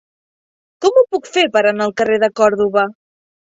Com ho puc fer per anar al carrer de Còrdova?